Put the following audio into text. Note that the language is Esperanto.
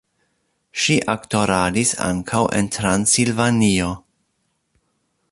Ŝi aktoradis ankaŭ en Transilvanio.